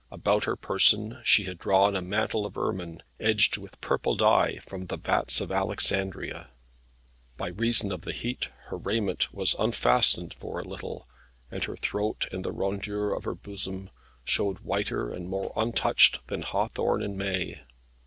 About her person she had drawn a mantle of ermine, edged with purple dye from the vats of Alexandria. By reason of the heat her raiment was unfastened for a little, and her throat and the rondure of her bosom showed whiter and more untouched than hawthorn in May.